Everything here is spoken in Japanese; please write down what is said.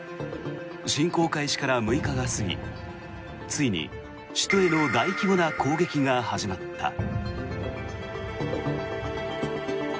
侵攻開始から６日が過ぎついに首都への大規模な攻撃が始まった。